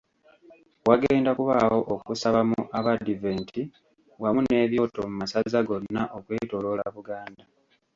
Wagenda kubaawo okusaba mu Abadiventi wamu n’ebyoto mu masaza gonna okwetoloola Buganda.